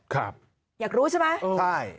ครับอยากรู้ใช่ไหมใช่